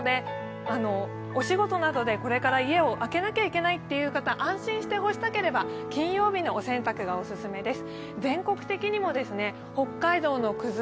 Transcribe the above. お仕事などでこれから家を空けなきゃいけないという方、安心して干したければ金曜日のお洗濯がオススメです。